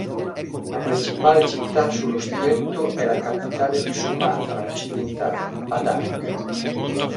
La principale città sullo stretto è la capitale di Sumatra Occidentale, Padang.